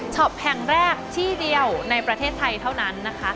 ปแห่งแรกที่เดียวในประเทศไทยเท่านั้นนะคะ